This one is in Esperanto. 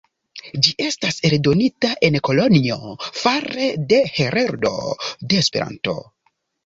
Ĝi estas eldonita en Kolonjo fare de Heroldo de Esperanto.